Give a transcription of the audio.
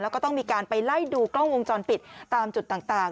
แล้วก็ต้องมีการไปไล่ดูกล้องวงจรปิดตามจุดต่าง